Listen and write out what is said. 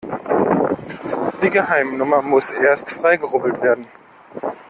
Die Geheimnummer muss erst freigerubbelt werden.